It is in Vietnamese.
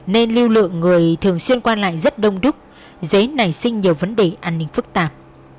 nên lưu lượng người thường xuyên qua lại rất đông đúc dễ nảy sinh nhiều vấn đề an ninh phức tạp